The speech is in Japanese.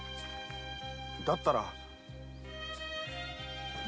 だったら。